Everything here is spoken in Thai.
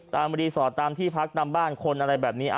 รีสอร์ทตามที่พักตามบ้านคนอะไรแบบนี้